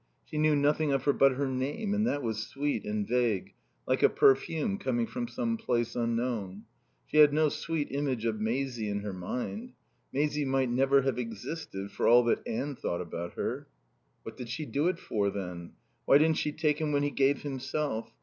She knew nothing of her but her name, and that was sweet and vague like a perfume coming from some place unknown. She had no sweet image of Maisie in her mind. Maisie might never have existed for all that Anne thought about her. What did she do it for, then? Why didn't she take him when he gave himself?